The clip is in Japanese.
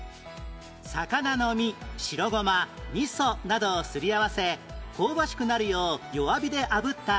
魚の身白ごま味噌などをすり合わせ香ばしくなるよう弱火であぶった